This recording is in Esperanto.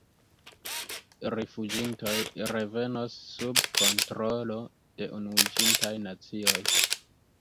Rifuĝintoj revenos sub kontrolo de Unuiĝintaj Nacioj.